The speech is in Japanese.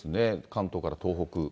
関東から東北。